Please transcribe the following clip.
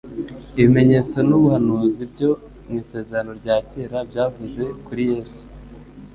ibimenyetso n'ubuhanuzi byo mu Isezerano rya Kera byavuze kuri Yesu.